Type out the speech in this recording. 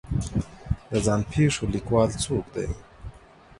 د ځان پېښو لیکوال څوک دی